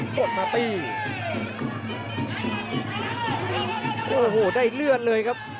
กระโดยสิ้งเล็กนี่ออกกันขาสันเหมือนกันครับ